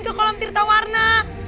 ke kolam tirta warna